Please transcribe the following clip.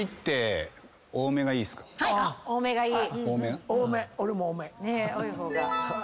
多い方が。